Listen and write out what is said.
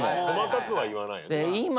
細かくは言わない。